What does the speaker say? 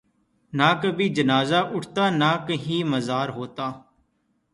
نہ کبھی جنازہ اٹھتا نہ کہیں مزار ہوتا